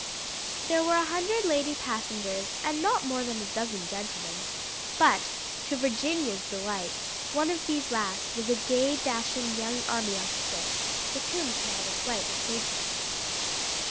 There were a hundred lady passengers, and not more than a dozen gentlemen; but to Virginia's delight, one of these last was a gay dashing young army officer, with whom she had a slight acquaintance.